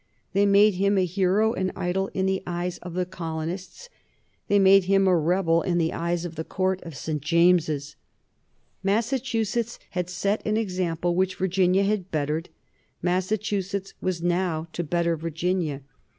They made him a hero and idol in the eyes of the colonists; they made him a rebel in the eyes of the Court at St. James's. Massachusetts had set an example which Virginia had bettered; Massachusetts was now to better Virginia.